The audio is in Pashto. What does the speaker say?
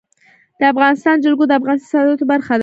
د افغانستان جلکو د افغانستان د صادراتو برخه ده.